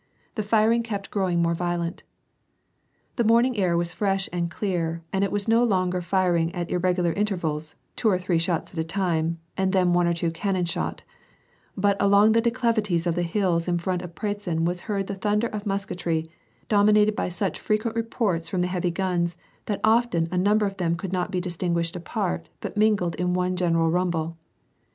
The firing kept growing more violent. ' The morning air was fresh and clear, and it was no longer fir ing at irregular intervals, two or three shots at a time, and then one or two cannon shots ; but along the declivities of the hills in front of Pratzen was heard the thunder of musketry, domi nated by such frequent reports from the heavy guns, that often a number of them could not be distinguished apart, but mingled in one general rumble.